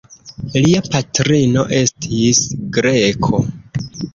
Lia patrino estis greko.